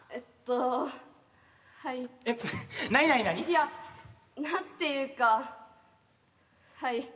いや何て言うかはい。